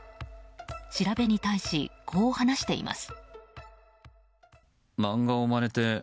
調べに対し、こう話しています。